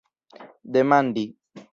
demandi